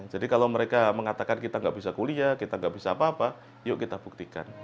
jadi kalau mereka mengatakan kita tidak bisa kuliah kita tidak bisa apa apa yuk kita buktikan